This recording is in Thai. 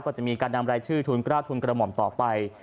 ก็จะมีการนำรายชื่อทุนกล้าทุนกระหม่อมต่อไป